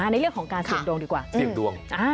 ในเรื่องของการเสี่ยงดวงดีกว่า